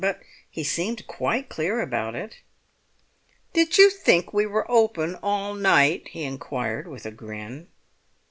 But he seemed quite clear about it. "Did you think we were open all night?" he inquired with a grin.